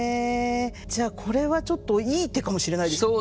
じゃあこれはちょっといい手かもしれないですね。